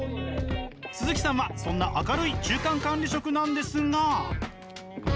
鈴木さんはそんな明るい中間管理職なんですが。